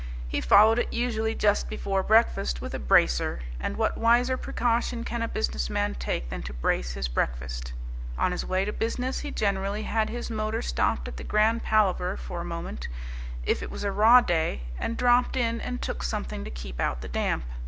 He followed it usually just before breakfast with a bracer and what wiser precaution can a businessman take than to brace his breakfast? On his way to business he generally had his motor stopped at the Grand Palaver for a moment, if it was a raw day, and dropped in and took something to keep out the damp.